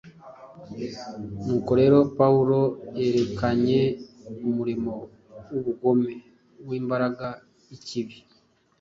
Nukorero Pawulo yerekanye umurimo w’ubugome w’imbaraga y’ikibi